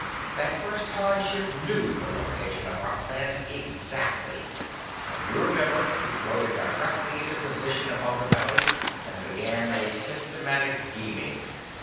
That first Han ship knew the location of our plants exactly. You remember it floated directly into position above the valley and began a systematic beaming.